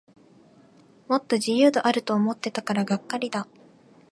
もっと自由度あると思ってたからがっかりだ